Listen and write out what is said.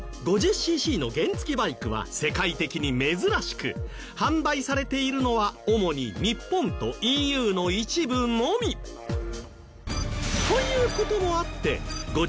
シーシーの原付バイクは世界的に珍しく販売されているのは主に日本とＥＵの一部のみ。という事もあって５０